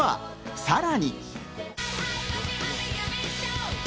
さらに。